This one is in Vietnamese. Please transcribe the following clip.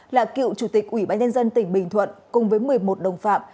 là cựu chủ tịch ủy ban nhân dân tỉnh bình thuận cùng với một mươi một đồng phạm